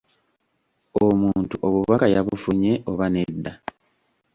Omuntu obubaka yabufunye oba nedda?